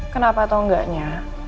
kenapa atau enggaknya